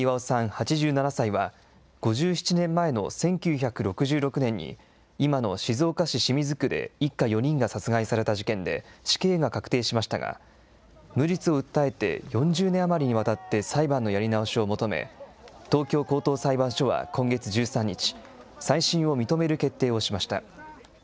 ８７歳は、５７年前の１９６６年に、今の静岡市清水区で一家４人が殺害された事件で死刑が確定しましたが、無実を訴えて４０年余りにわたって裁判のやり直しを求め、東京高等裁判所は今月１３日、再審を認める決定をしました。